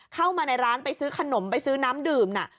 เข้ามาในร้านไปซื้อขนมไปซื้อน้ำดื่มน่ะ